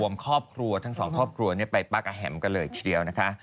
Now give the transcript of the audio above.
อวมครอบครัวทั้ง๒ครอบครัวไปปากกาแห่มกันเลยกันเลยทีเดียวนะคะ